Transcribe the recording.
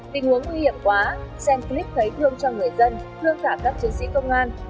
tình huống nguy hiểm quá xem clip gây thương cho người dân thương cả các chiến sĩ công an